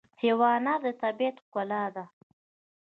حیوانات د طبیعت ښکلا ده.